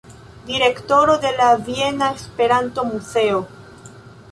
Direktoro de la viena Esperanto-muzeo.